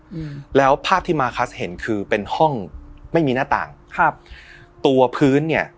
อืมแล้วภาพที่มาคัสเห็นคือเป็นห้องไม่มีหน้าต่างครับตัวพื้นเนี้ย